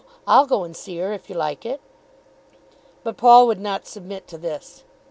I'll go and see her if you like it." But Paul would not submit to this.